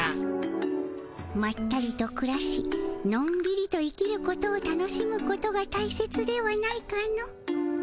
まったりとくらしのんびりと生きることを楽しむことがたいせつではないかの。